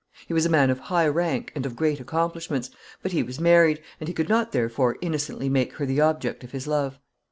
He was a man of high rank and of great accomplishments, but he was married, and he could not, therefore, innocently make her the object of his love.